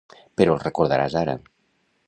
Però el recordaràs ara.